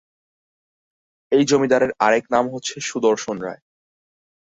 এই জমিদারের আরেক নাম হচ্ছে সুদর্শন রায়।